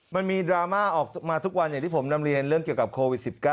มันมีดราม่าออกมาทุกวันอย่างที่ผมนำเรียนเรื่องเกี่ยวกับโควิด๑๙